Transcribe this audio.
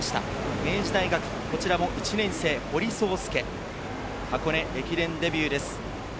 明治大学、こちらも１年生・堀颯介、箱根駅伝デビューです。